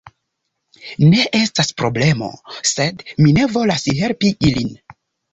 Ne estas problemo. Sed mi ne volas helpi ilin.